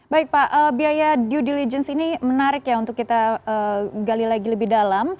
baik pak biaya due diligence ini menarik ya untuk kita gali lagi lebih dalam